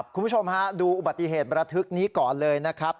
คุณผู้ชมฮะดูอุบัติเหตุระทึกนี้ก่อนเลยนะครับ